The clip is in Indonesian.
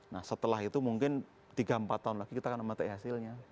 nah setelah itu mungkin tiga empat tahun lagi kita akan memetik hasilnya